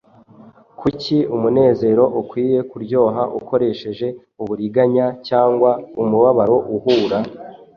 Kuki umunezero ukwiye kuryoha Ukoresheje uburiganya, Cyangwa umubabaro uhura?